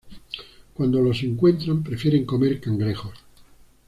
Cuando los encuentran, prefieren comer cangrejos.